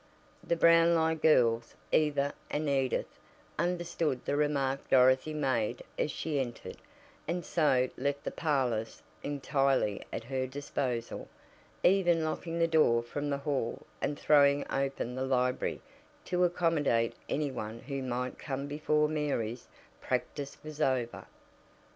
The Brownlie girls, Eva and Edith, understood the remark Dorothy made as she entered, and so left the parlors entirely at her disposal, even locking the door from the hall and throwing open the library to accommodate any one who might come before Mary's "practice" was over.